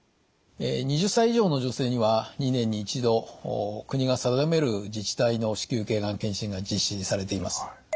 ２０歳以上の女性には２年に１度国が定める自治体の子宮頸がん検診が実施されています。